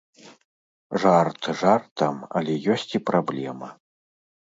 Жарт жартам, але ёсць і праблема.